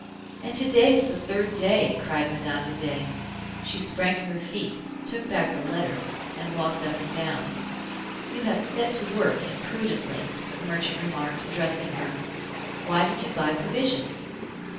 "And to day is the third day!" cried Mme. de Dey. She sprang to her feet, took back the letter, and walked up and down. "You have set to work imprudently," the merchant remarked, addressing her. "Why did you buy provisions?"